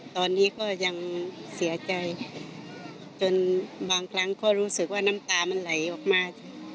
ตอนนี้ก็ยังเสียใจจนบางครั้งก็รู้สึกว่าน้ำตามันไหลออกมา